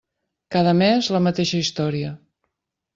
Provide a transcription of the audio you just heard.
Cada mes, la mateixa història.